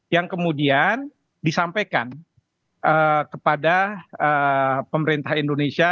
yang kemudian disampaikan kepada pemerintah indonesia